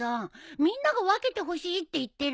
みんなが分けてほしいって言ってるのに。